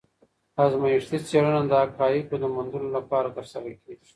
ازمایښتي څېړنه د حقایقو د موندلو لپاره ترسره کيږي.